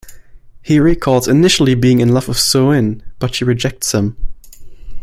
He recalls initially being in love with Soo-in, but she rejects him.